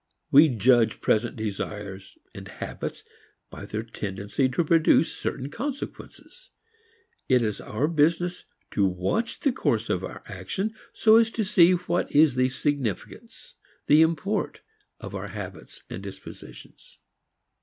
We judge present desires and habits by their tendency to produce certain consequences. It is our business to watch the course of our action so as to see what is the significance, the import of our habits and dispositions.